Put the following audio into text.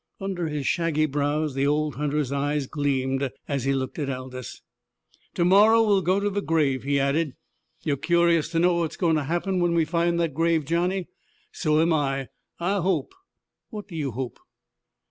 Under his shaggy brows the old hunter's eyes gleamed as he looked at Aldous. "To morrow we'll go to the grave," he added. "Yo're cur'ous to know what's goin' to happen when we find that grave, Johnny. So am I. I hope " "What do you hope?"